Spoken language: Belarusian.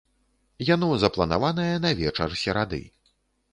Яно запланаванае на вечар серады.